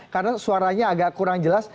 karena suaranya agak kurang jelas